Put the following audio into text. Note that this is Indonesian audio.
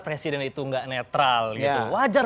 presiden itu gak netral wajar